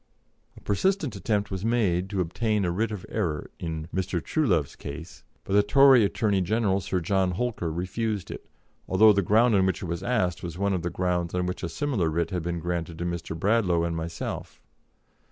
A persistent attempt was made to obtain a writ of error in Mr. Truelove's case, but the Tory Attorney General, Sir John Holker, refused it, although the ground on which it was asked was one of the grounds on which a similar writ had been granted to Mr. Bradlaugh and myself.